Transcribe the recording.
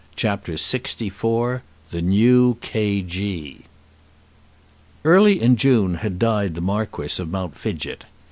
CHAPTER LXIV The New K.G. Early in June had died the Marquis of Mount Fidgett.